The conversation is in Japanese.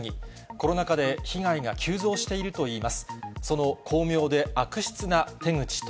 コロナ禍で被害が急増しているといいます。